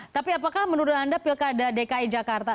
tapi apakah menurut anda pilkada dki jakarta